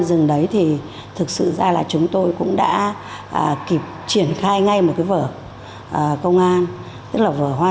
dừng đấy thì thực sự ra là chúng tôi cũng đã kịp triển khai ngay một cái vợ công an tức là vợ hoa